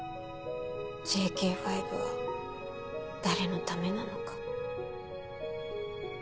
ＪＫ５は誰のためなのか。